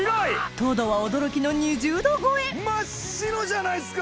糖度は驚きの２０度超え真っ白じゃないすか！